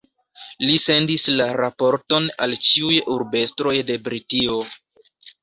Li sendis la raporton al ĉiuj urbestroj de Britio.